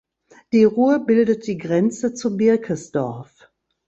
Die Rur bildet die Grenze zu Birkesdorf.